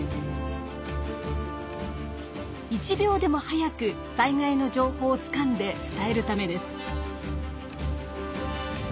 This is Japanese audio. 一秒でも早く災害の情報をつかんで伝えるためです。